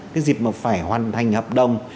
cái dịp mà phải hoàn thành hợp đồng